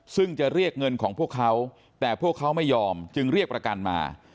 ซึ่งจะเรียกเงินของพวกเขาแต่พวกเขาไม่ยอมจึงเรียกประกันมา